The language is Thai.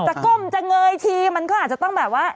ก้มจะเงยทีมันก็อาจจะต้องแบบว่า